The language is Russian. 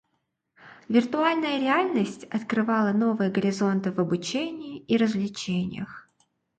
Виртуальная реальность открывала новые горизонты в обучении и развлечениях.